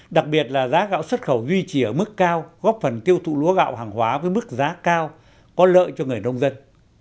đặc biệt là giá gạo xuất khẩu duy trì ở mức cao góp phần tiêu thụ lúa gạo hàng hóa với mức giá cao có lợi cho người nông dân